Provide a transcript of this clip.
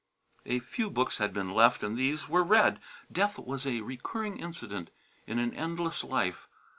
A few books had been left and these were read. Death was a recurring incident in an endless life.